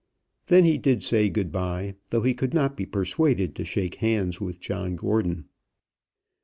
Then he did say good bye, though he could not be persuaded to shake hands with John Gordon.